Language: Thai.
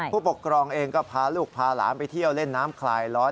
ผู้ปกครองเองก็พาลูกพาหลานไปเที่ยวเล่นน้ำคลายร้อน